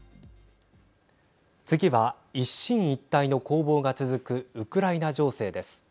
次は一進一退の攻防が続くウクライナ情勢です。